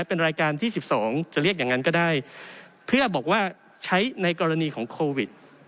เป็นรายการที่๑๒จะเรียกอย่างนั้นก็ได้เพื่อบอกว่าใช้ในกรณีของโควิด